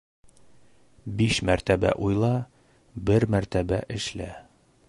Биш мәртәбә уйла, бер мәртәбә эшлә.